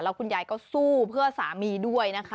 คุณยายก็สู้เพื่อสามีด้วยนะคะ